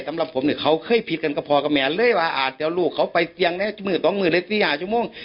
สำหรับผมเนี่ยเค้าเคยผิดกันก็พอกับแม่เลยว่าอาจจะเอาลูกเค้าไปเตียงนี้๑๒๐๐๐หรือ๔๕ชั่วโมง